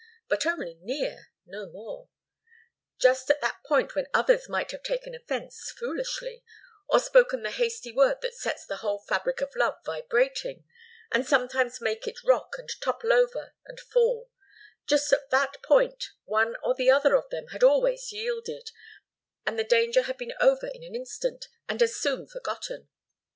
But only near no more. Just at that point when others might have taken offence foolishly, or spoken the hasty word that sets the whole fabric of love vibrating, and sometimes makes it rock and topple over and fall just at that point one or the other of them had always yielded, and the danger had been over in an instant and as soon forgotten.